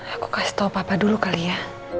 aku kasih tau papa dulu kali ya